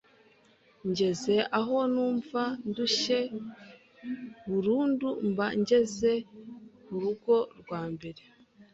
ngeze aho numva ndushye nburundu mba ngeze ku rugo rwa mbere